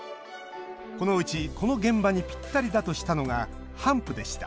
このうち、この現場にぴったりだとしたのがハンプでした。